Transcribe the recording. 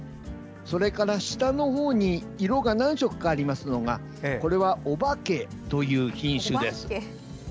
それから下のほうに色が何色かあるのがオバケという品種です。